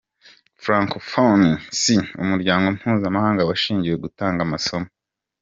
Francophonie si umuryango mpuzamahanga washingiwe gutanga amasomo.”